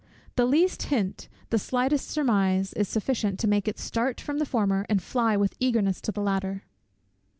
The least hint, the slightest surmise, is sufficient to make it start from the former, and fly with eagerness to the latter.